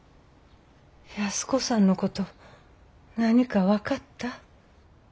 安子さんのこと何か分かった？